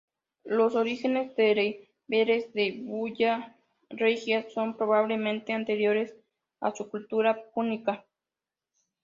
Los orígenes bereberes de Bulla Regia son probablemente anteriores a su cultura púnica.